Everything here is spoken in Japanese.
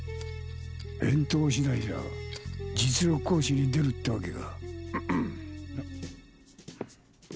返答次第じゃ実力行使に出るってわけか。